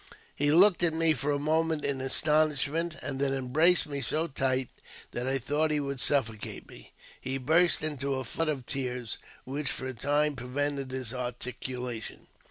He looked at me for a moment in astonishment, and then embraced me so tight that I thought he would suffocate me. He burst into a flood of tears, which for a time prevented his articulation.